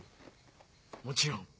もちろん。